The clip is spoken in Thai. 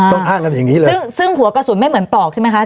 อ้างกันอย่างนี้เลยซึ่งซึ่งหัวกระสุนไม่เหมือนปลอกใช่ไหมคะ